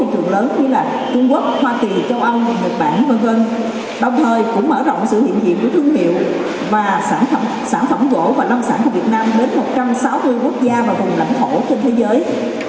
đến một trăm sáu mươi quốc gia và vùng lãnh thổ trên thế giới